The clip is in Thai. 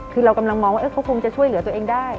คือเรากำลังมองว่าเขาคงจะช่วยเหลือตัวเองได้